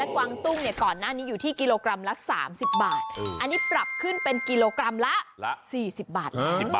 อันนี้ปรับขึ้นเป็นกีโลกรัมละ๔๐บาท